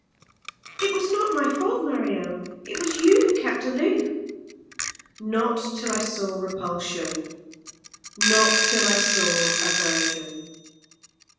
"It was not my fault, Mario. It was you who kept aloof." "Not till I saw repulsion not till I saw aversion."